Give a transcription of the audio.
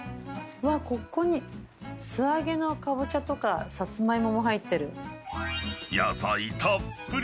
ここに素揚げのカボチャとかサツマイモも入ってる。